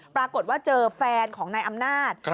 ปรากฏว่าเจอแฟนของนายอำนาจ